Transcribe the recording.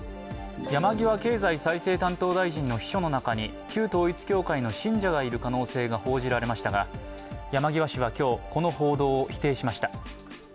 山際経済再生担当大臣の秘書の中に旧統一教会の信者がいる可能性が報じられましたが、山際氏は今日、この報道を否定しました。